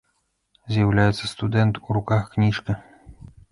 З'яўляецца студэнт, у руках кніжка.